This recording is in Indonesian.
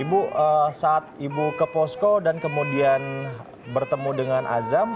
ibu saat ibu ke posko dan kemudian bertemu dengan azam